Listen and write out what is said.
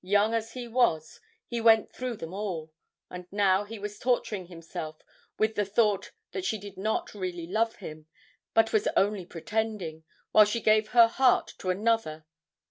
Young as he was he went through them all, and now he was torturing himself with the thought that she did not really love him and was only pretending, while she gave her heart to another.